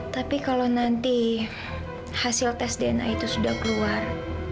tapi kalau nanti hasil tes dna itu sudah keluar